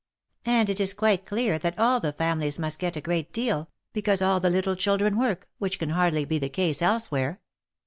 And it is quite clear that all the families must get a great deal, because all the little children work, which can hardly be the case elsewhere.